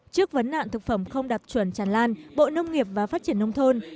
trước vấn nạn thực phẩm không đạt chuẩn tràn lan bộ nông nghiệp và phát triển nông thôn